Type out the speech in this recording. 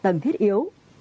tầng thiết yếu